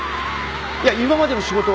いや今までの仕事は。